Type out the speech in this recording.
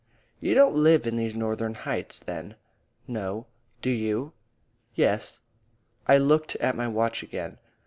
"You don't live in these Northern Heights, then?" "No. Do you?" "Yes." I looked at my watch again.